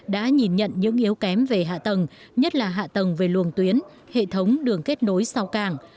đã nhìn nhận những yếu kém về hạ tầng nhất là hạ tầng về luồng tuyến hệ thống đường kết nối sau càng